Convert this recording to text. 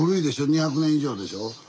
２００年以上でしょ。